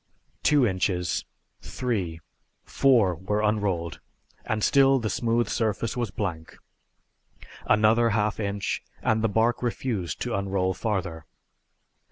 Two inches, three, four were unrolled and still the smooth surface was blank. Another half inch, and the bark refused to unroll farther.